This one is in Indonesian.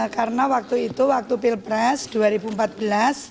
karena waktu itu saya berpikir saya tidak bisa bertemu dengan presiden jokowi